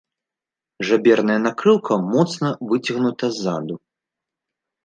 Жаберная накрыўка моцна выцягнута ззаду.